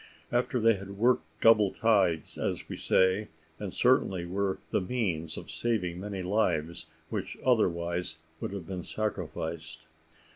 After they had worked double tides, as we say, and certainly were the means of saving many lives, which otherwise would have been sacrificed.